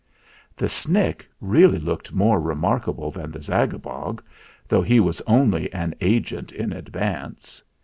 The Snick really looked more remarkable than the Zagabog, though he was only an Agent in Advance.